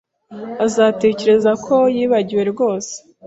Azatekereza ko yibagiwe rwose